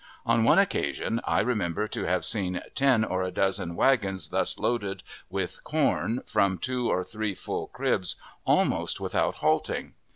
On one occasion I remember to have seen ten or a dozen wagons thus loaded with corn from two or three full cribs, almost without halting.